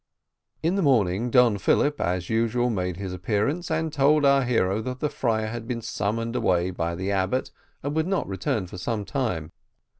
In the morning, Don Philip, as usual, made his appearance, and told our hero that the friar had been summoned away by the abbot, and would not return for some time.